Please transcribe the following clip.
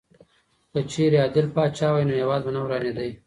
که چېرې عادل پاچا وای نو هېواد به نه ورانېدی.